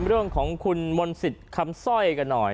เรื่องของคุณมนต์สิทธิ์คำสร้อยกันหน่อย